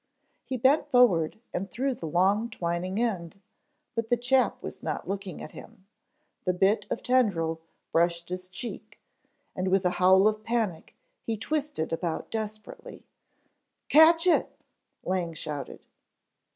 He bent forward and threw the long twining end, but the chap was not looking at him, the bit of tendril brushed his cheek; and with a howl of panic he twisted about desperately. "Catch it," Lang shouted.